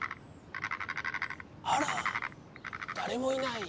あら？だれもいない。